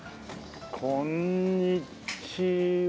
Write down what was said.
こんにちは。